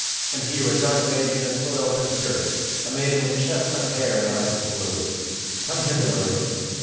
And here a dark maiden has soiled her skirt, a maiden with chestnut hair and eyes of blue. Come hither, Marie!